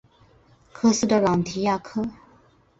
科斯的朗提亚克。